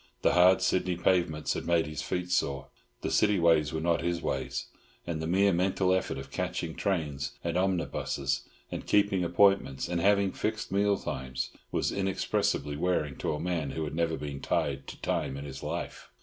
The hard Sydney pavements had made his feet sore. The city ways were not his ways, and the mere mental effort of catching trains and omnibuses, and keeping appointments, and having fixed meal times, was inexpressibly wearing to a man who had never been tied to time in his life.